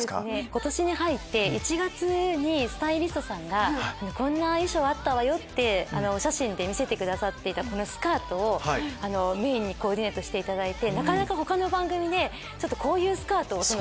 今年に入って１月にスタイリストさんが「こんな衣装あったわよ」ってお写真で見せてくださっていたこのスカートをメインにコーディネートしていただいて。